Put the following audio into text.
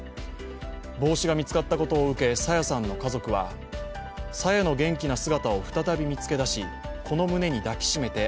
帽子が見つかったことを受け朝芽さんの家族はさやの元気な姿を再び見つけ出し、この胸に抱きしめて